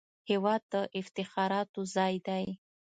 هېواد د افتخاراتو ځای دی